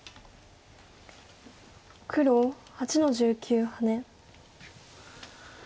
黒８の十九ハネ。